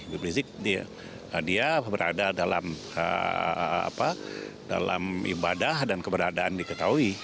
bipri rizik dia berada dalam ibadah dan keberadaan diketahui